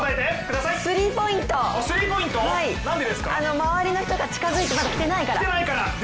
周りの人がまだ近づいてきてないから。